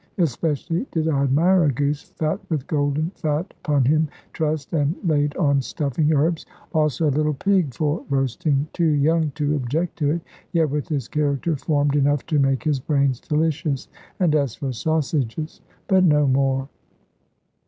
Especially did I admire a goose, fat with golden fat upon him, trussed, and laid on stuffing herbs. Also, a little pig for roasting, too young to object to it, yet with his character formed enough to make his brains delicious. And as for sausages but no more.